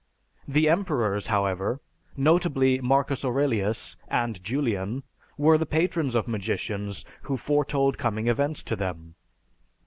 The emperors, however, notably Marcus Aurelius and Julian, were the patrons of magicians who foretold coming events to them.